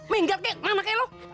minggir kek mana kek lo